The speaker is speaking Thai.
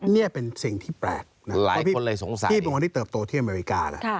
นี่เป็นสิ่งที่แปลกนะพี่เป็นคนที่เติบโตที่อเมริกานะ